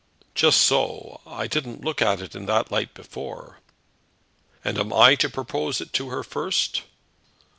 "Just so! I didn't look at it in that light before." "And am I to propose it to her first?"